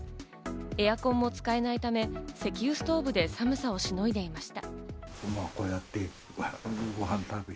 エアコンも使えないため、石油ストーブで寒さをしのいでいました。